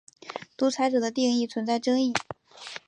独裁者的定义存在争议。